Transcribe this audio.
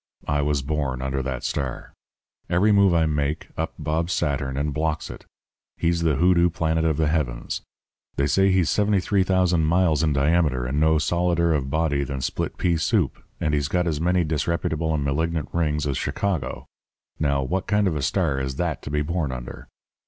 I was born under that star. Every move I make, up bobs Saturn and blocks it. He's the hoodoo planet of the heavens. They say he's 73,000 miles in diameter and no solider of body than split pea soup, and he's got as many disreputable and malignant rings as Chicago. Now, what kind of a star is that to be born under?'